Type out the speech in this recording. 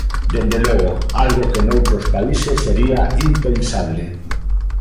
Dende logo, algo que noutros países sería impensable.